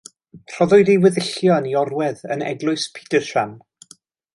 Rhoddwyd ei weddillion i orwedd yn Eglwys Petersham.